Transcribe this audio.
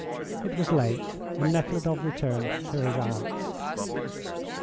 It was late, and Nekhludoff returned to his aunt's.